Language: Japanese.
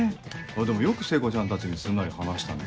でもよく聖子ちゃんたちにすんなり話したね。